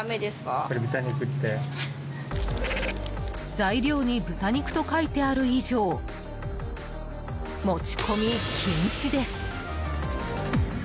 材料に豚肉と書いてある以上持ち込み禁止です。